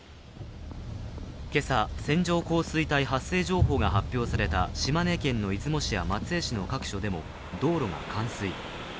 今朝、線状降水帯発生情報が発表された島根県の出雲市や松江市の各所でも道路が冠水。